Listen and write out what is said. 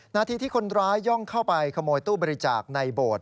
นาทีที่คนร้ายย่องเข้าไปขโมยตู้บริจาคในโบสถ์